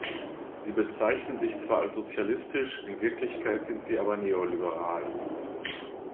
Sie bezeichnen sich zwar als sozialistisch, in Wirklichkeit sind sie aber neoliberal.